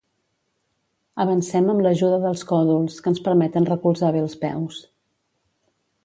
Avancem amb l'ajuda dels còdols, que ens permeten recolzar bé els peus.